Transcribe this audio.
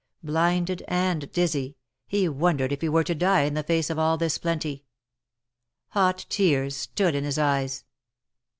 Blinded and dizzy, he wondered if he were to die in the face of all this plenty. Hot tears stood in his eyes.